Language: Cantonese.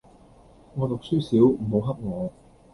我讀書少，唔好翕我